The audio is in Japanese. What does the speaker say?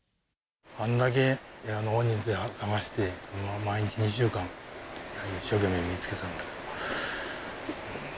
あんだけ大人数で捜して、毎日、２週間、一生懸命見つけたんだけど。